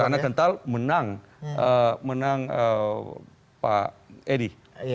di sana kental menang pak edi